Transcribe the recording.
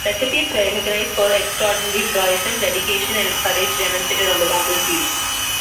Recipients were recognised for extraordinary heroism, dedication, and courage demonstrated on the battlefield.